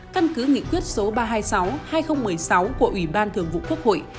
căn cứ nghị quyết số ba trăm hai mươi sáu hai nghìn một mươi sáu của ủy ban thường vụ quốc hội